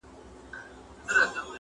o لاري ډېري دي، خو د مړو لار يوه ده٫